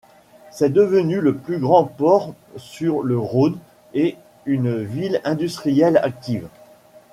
C'est devenu le plus grand port sur le Rhône et une ville industrielle active.